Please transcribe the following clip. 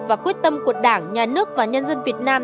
và quyết tâm của đảng nhà nước và nhân dân việt nam